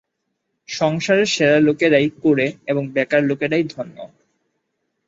সংসারে সেরা লোকেরাই কুঁড়ে এবং বেকার লোকেরাই ধন্য।